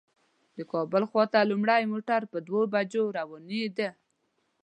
د کابل خواته لومړی موټر په دوو بجو روانېده.